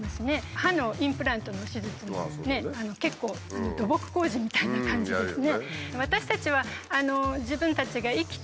歯のインプラントの手術もね結構土木工事みたいな感じですね。